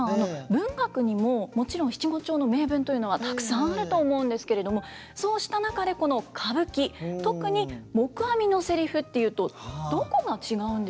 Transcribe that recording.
文学にももちろん七五調の名文というのはたくさんあると思うんですけれどもそうした中でこの歌舞伎特に黙阿弥のセリフっていうとどこが違うんでしょうか？